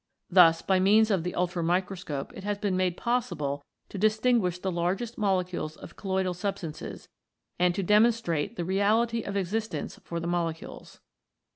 Thus by means of the ultramicroscope it has been made possible to distinguish the largest molecules of colloidal substances and to demonstrate the reality of existence for the molecules.